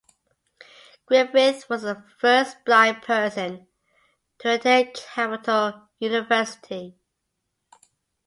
Griffith was the first blind person to attend Capital University.